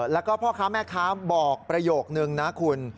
แล้วก็พ่อค้าแม่ค้าบอกประโยคนึงนะคุณ